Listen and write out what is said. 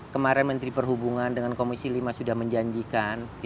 kemarin menteri perhubungan dengan komisi lima sudah menjanjikan